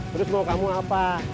terus mau kamu apa